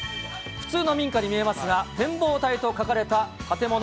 普通の民家に見えますが、展望台と書かれた建物。